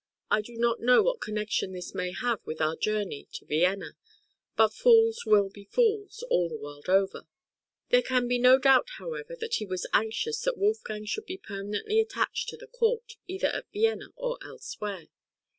I do not know what connection this may have with our journey to Vienna; but fools will be fools, all the world over." There can be no doubt, however, that he was anxious that Wolfgang should be permanently attached to the court, either at Vienna or elsewhere.